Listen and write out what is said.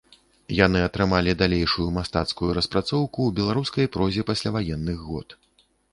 Яны атрымалі далейшую мастацкую распрацоўку ў беларускай прозе пасляваенных год.